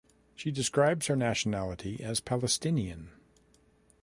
She describes her nationality as Palestinian.